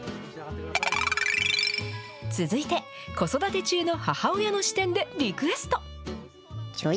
続いて、子育て中の母親の視点でリクエスト。